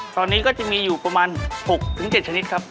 ตอนนี้ก็จะมีอยู่ประมาณ๖๗ชนิดครับ